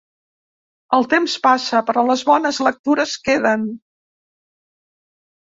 El temps passa, però les bones lectures queden.